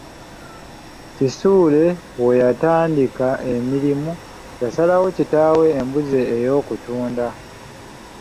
Kisuule we yatandikira emirimu yasabayo kitaawe embuzi ey’okulunda.